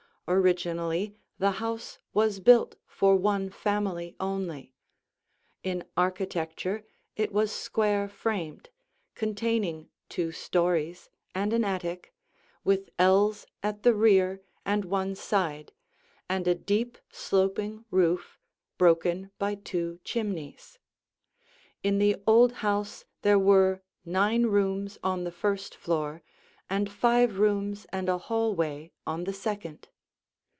Originally the house was built for one family only; in architecture it was square framed, containing two stories and an attic, with ells at the rear and one side and a deep, sloping roof broken by two chimneys. In the old house there were nine rooms on the first floor and five rooms and a hallway on the second.